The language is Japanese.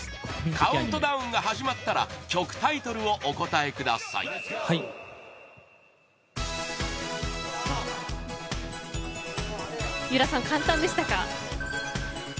カウントダウンが始まったら曲タイトルをお答えください三浦さん、簡単でしたか。